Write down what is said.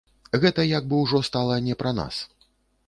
Гэта як бы ўжо стала не пра нас.